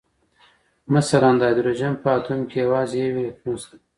مثلاً د هایدروجن په اتوم کې یوازې یو الکترون شته